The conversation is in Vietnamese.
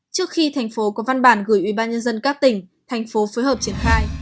trước khi thành phố có văn bản gửi ubnd các tỉnh thành phố phối hợp triển khai